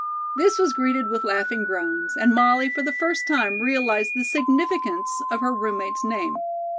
'" This was greeted with laughing groans, and Molly for the first time realized the significance of her roommate's name.